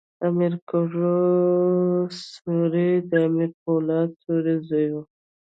امیر کروړ سوري د امیر پولاد سوري زوی ؤ.